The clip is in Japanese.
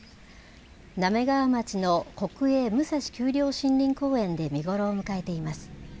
滑川町の国営武蔵丘陵森林公園で見頃を迎えています。